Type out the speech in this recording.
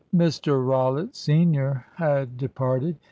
Mr Rollitt, Senior, had departed.